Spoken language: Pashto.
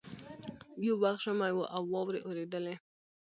یو وخت ژمی وو او واوري اورېدلې